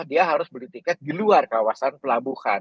dia harus beli tiket di luar kawasan pelabuhan